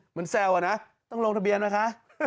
เหมือนแซวอ่ะนะต้องลงทะเบียนไว้คะ